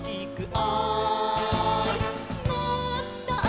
「おい！」